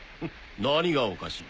何がおかしい？